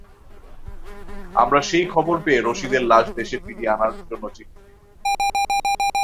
আমরা সেই খবর পেয়ে রশিদের লাশ দেশে ফিরিয়ে আনার জন্য চিঠি দিই।